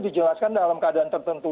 dijelaskan dalam keadaan tertentu